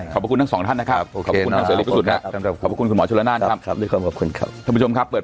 ครบพระคุณทั้งสองท่านนะครับ